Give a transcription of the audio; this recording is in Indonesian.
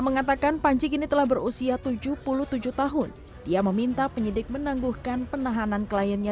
mengatakan panji kini telah berusia tujuh puluh tujuh tahun ia meminta penyidik menangguhkan penahanan kliennya